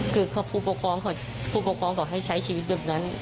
คือพูดปกครองเขาให้ใช้ชีวิตแบบนั้น